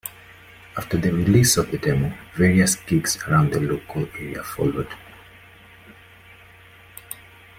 After the release of the demo, various gigs around the local area followed.